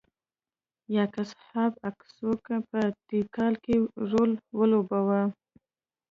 یاکس اهب اکسوک په تیکال کې رول ولوباوه.